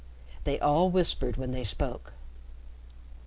They all whispered when they spoke.